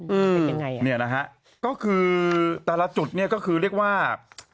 อืมนี่นะฮะก็คือแต่ละจุดเนี่ยก็คือเรียกว่า